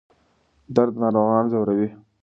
درد ناروغان ځوروي.